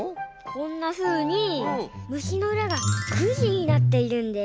こんなふうにむしのうらがくじになっているんです。